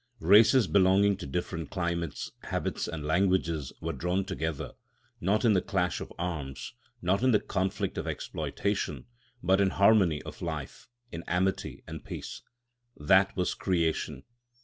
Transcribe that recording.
Races belonging to different climates, habits, and languages were drawn together, not in the clash of arms, not in the conflict of exploitation, but in harmony of life, in amity and peace. That was creation.